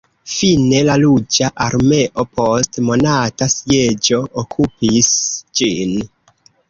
Fine la Ruĝa Armeo post monata sieĝo okupis ĝin.